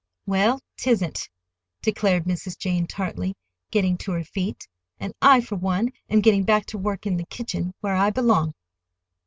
"Well, 'tisn't," declared Mrs. Jane tartly, getting to her feet. "And I, for one, am going back to work—in the kitchen, where I belong.